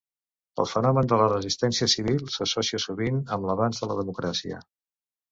El fenomen de la resistència civil s'associa sovint amb l'avanç de la democràcia.